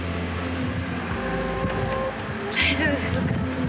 大丈夫ですか？